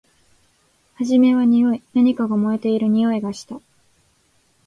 はじめはにおい。何かが燃えているにおいがした。